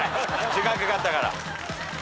時間かかったから。